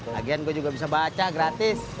lagian gue juga bisa baca gratis